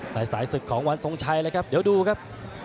ในสายสึกของวันสงชัยนะครับเดี๋ยวดูครับ